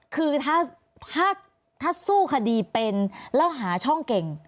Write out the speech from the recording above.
คือถ้าสู้คดีเป็นแล้วหาช่องเก่ง